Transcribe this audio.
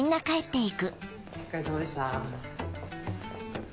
お疲れさまでした。